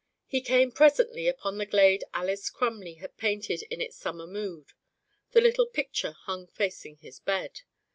He came presently upon the glade Alys Crumley had painted in its summer mood; the little picture hung facing his bed.